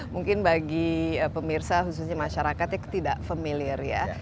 mungkin bagi pemirsa khususnya masyarakat yang tidak familiar ya